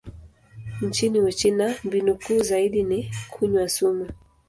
Nchini Uchina, mbinu kuu zaidi ni kunywa sumu.